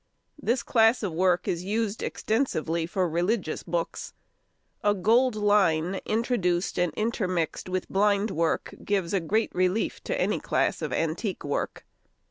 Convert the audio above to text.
This class of work is used extensively for religious books. A gold line introduced and intermixed with blind work gives a great relief to any class of antique work.